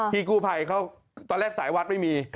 พี่กู้ภัยเขาตอนแรกสายวัดไม่มี